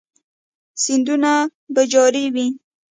سیندونه به جاری وي؟